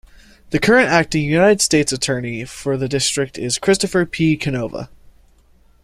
The current Acting United States Attorney for the District is Christopher P. Canova.